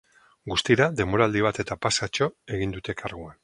Guztira, denboraldi bat eta pasatxo egin duten karguan.